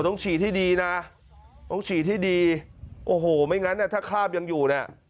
ต้องฉีดให้ดีนะต้องฉีดให้ดีโอ้โหไม่งั้นถ้าคราบยังอยู่เนี่ย